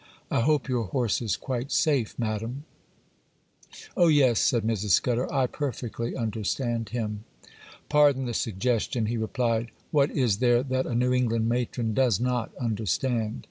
I hope your horse is quite safe, madam?' 'Oh, yes,' said Mrs. Scudder; 'I perfectly understand him.' 'Pardon the suggestion,' he replied, 'what is there that a New England matron does not understand?